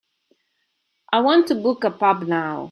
I want to book a pub now.